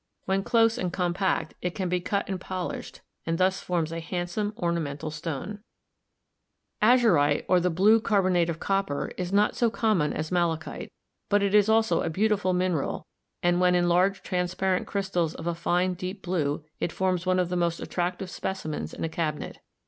When close and compact it can be cut and polished and thus forms a handsome ornamental stone. DESCRIPTIVE MINERALOGY 267 Azurite, or the Blue Carbonate of Copper, is not so common as malachite, but it is also a beautiful mineral, and when in large transparent crystals of a fine deep blue it forms one of the most attractive specimens in a cabinet.